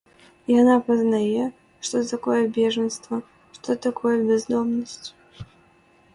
Яна пазнае, што такое бежанства, што такое бяздомнасць.